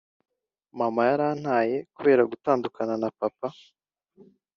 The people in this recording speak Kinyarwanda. “Mama yarantaye kubera gutandukana na papa